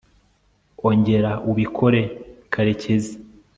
ongera ubikore, karekezi